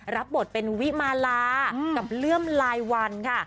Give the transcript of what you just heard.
รับบทเป็นวิมาลากับเลื่อมลายวันค่ะ